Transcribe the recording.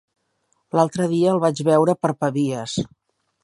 L'altre dia el vaig veure per Pavies.